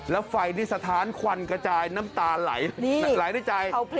แล้วไฟนี่สถานควันกระจายน้ำตาไหลในใจ